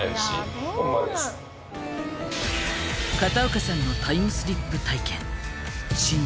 片岡さんのタイムスリップ体験。